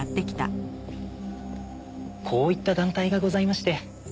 こういった団体がございまして。